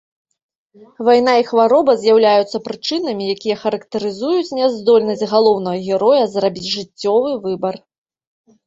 Вайна і хвароба з'яўляюцца прычынамі, якія характарызуюць няздольнасць галоўнага героя зрабіць жыццёвы выбар.